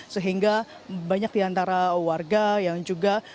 sehingga banyak diantara warga yang juga